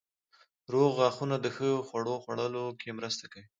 روغ غاښونه د ښه خوړو خوړلو کې مرسته کوي.